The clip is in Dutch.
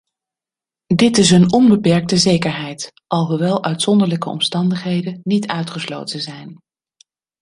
Dit is een onbeperkte zekerheid, alhoewel uitzonderlijke omstandigheden niet uitgesloten zijn.